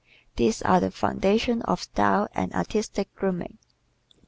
These are the foundations of "style" and artistic grooming.